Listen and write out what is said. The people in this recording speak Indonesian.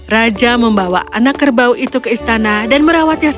raja membawa anak kerbau itu ke istana dan merawatnya sendiri